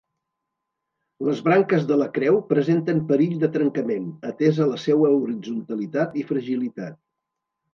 Les branques de la creu presenten perill de trencament, atesa la seua horitzontalitat i fragilitat.